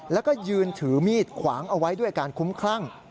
แล้วก็ยืนถือมีดขวางเอาไว้ด้วยอาการคุ้มคลั่ง